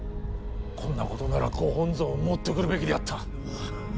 こんなことならご本尊を持ってくるべきであった。